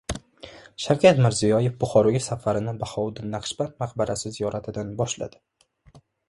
Shavkat Mirziyoyev Buxoroga safarini Bahouddin Naqshband maqbarasi ziyoratidan boshladi